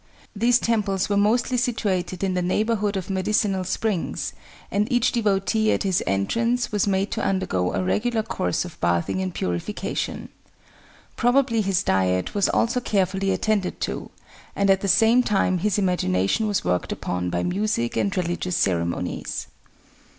These temples were mostly situated in the neighbourhood of medicinal springs, and each devotee at his entrance was made to undergo a regular course of bathing and purification. Probably his diet was also carefully attended to, and at the same time his imagination was worked upon by music and religious ceremonies.